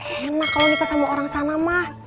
enak kalau nikah sama orang sana mah